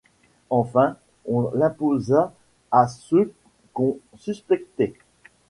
Enfin on l'imposa à ceux qu'on suspectait.